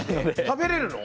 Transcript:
食べれるの？